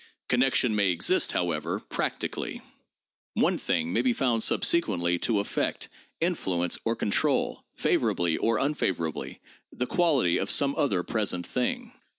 Connection may exist, however, practically : one thing may be found subsequently to affect, influence or control, favorably or unfavorably, the quality of some other pres ent thing.